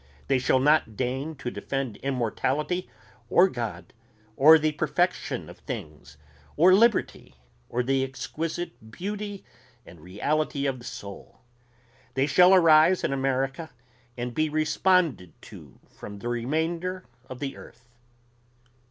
They shall not deign to defend immortality or God or the perfection of things or liberty or the exquisite beauty and reality of the soul. They shall arise in America and be responded to from the remainder of the earth.